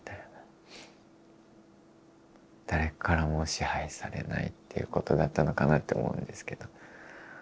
誰からも支配されないっていうことだったのかなって思うんですけど。